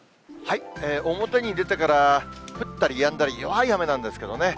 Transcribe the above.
表に出てから降ったりやんだり、弱い雨なんですけどね。